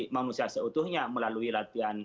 manusia seutuhnya melalui latihan